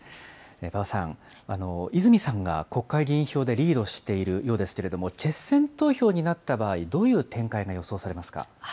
馬場さん、泉さんが国会議員票でリードしているようですけど、決選投票になった場合、どういう展開が予想されますか。